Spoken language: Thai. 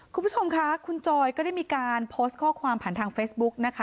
คุณผู้ชมค่ะคุณจอยก็ได้มีการโพสต์ข้อความผ่านทางเฟซบุ๊กนะคะ